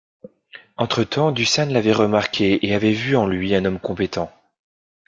Entre-temps Dusan l'avait remarqué et avait vu en lui un homme compétent.